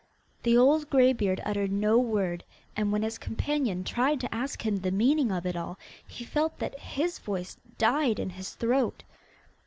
The old greybeard uttered no word, and when his companion tried to ask him the meaning of it all he felt that his voice died in his throat.